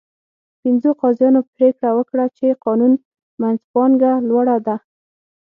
پنځو قاضیانو پرېکړه وکړه چې قانون منځپانګه لوړه ده.